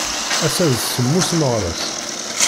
Ass-a d semmus Meɣres.